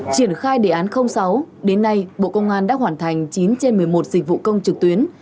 triển khai đề án sáu đến nay bộ công an đã hoàn thành chín trên một mươi một dịch vụ công trực tuyến